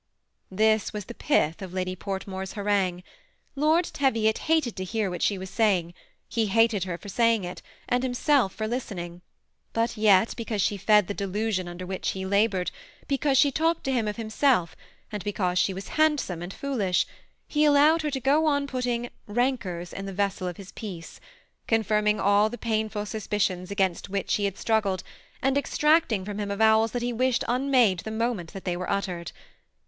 This was the pith of Lady Portmore's harangue. Lord Teviot hated to hear what she was saying ; he hated her for saying it, and himself for listening ; but yet, because she fed the delusion under which he labored, because she talked to him of himself, and because she was handsome and foolish, he allowed her to go on putting '^ rancors in the vessel of his peace," confirming all the painful suspicions against which he had struggled, and extracting from him 'avowals that he wished unmade the moment they were uttered.